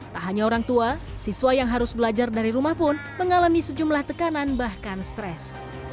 tak hanya orang tua siswa yang harus belajar dari rumah pun mengalami sejumlah tekanan bahkan stres